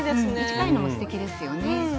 短いのもすてきですよね。